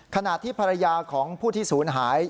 ขณะที่ภรรยาของผู้ที่ศูนย์หาย